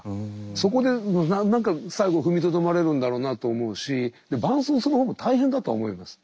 そこで何か最後踏みとどまれるんだろうなと思うし伴走するほうも大変だと思います。